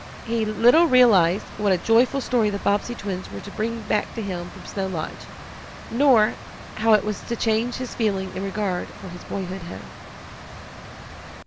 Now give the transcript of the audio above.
He little realized what a joyful story the Bobbsey twins were to bring back to him from Snow Lodge, nor how it was to change his feeling in regard for his boyhood home.